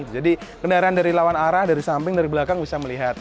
jadi kendaraan dari lawan arah dari samping dari belakang bisa melihat